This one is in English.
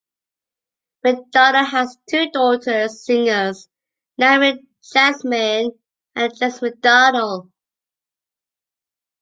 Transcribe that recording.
McDonald has two daughters, singers Naomi Jasmine and Jess McDonald.